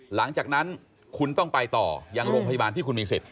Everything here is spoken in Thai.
หลังจากนั้นคุณต้องไปต่อยังโรงพยาบาลที่คุณมีสิทธิ